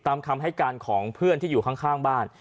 คำให้การของเพื่อนที่อยู่ข้างบ้าน